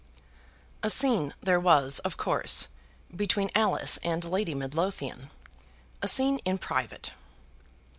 A scene there was, of course, between Alice and Lady Midlothian; a scene in private.